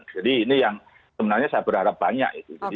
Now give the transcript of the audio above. ini yang sebenarnya saya berharap banyak